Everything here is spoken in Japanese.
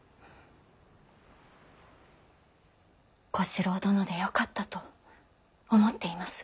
小四郎殿でよかったと思っています。